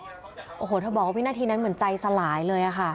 โอ้โหเธอบอกว่าวินาทีนั้นเหมือนใจสลายเลยค่ะ